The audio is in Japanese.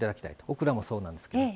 オクラもそうなんですけど。